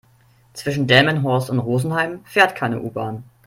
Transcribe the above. Zwischen Delmenhorst und Rosenheim fährt keine U-Bahn